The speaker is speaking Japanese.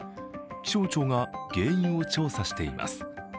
気象庁が原因を調査しています。